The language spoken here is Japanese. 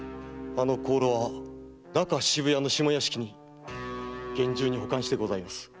あの香炉は中渋谷の下屋敷に厳重に保管してございます。